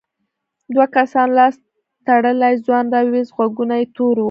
دوو کسانو لاس تړلی ځوان راووست غوږونه یې تور وو.